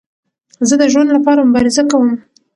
زه د ژوند له پاره مبارزه کوم.